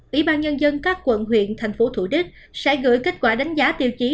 ủy ban nhân dân các quận huyện tp thủ đích sẽ gửi kết quả đánh giá tiêu chí